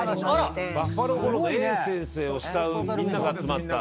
バッファロー吾郎のＡ先生を慕うみんなが集まった。